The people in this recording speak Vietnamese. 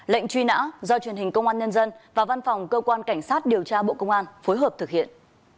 lệnh truy nã do truyền hình công an nhân dân và văn phòng cơ quan cảnh sát điều tra bộ công an phối hợp thực hiện